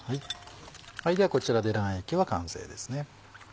ではこちらで卵液は完成ですね。